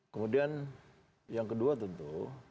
kemudian yang kedua tentu